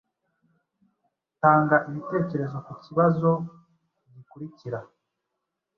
Tanga ibitekerezo ku kibazo gikurikira: